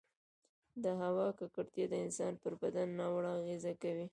د هـوا ککـړتيـا د انسـانـانو پـر بـدن نـاوړه اغـېزه کـوي